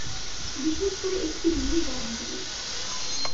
বিশেষ করে একটি মিনিবার দিয়ে।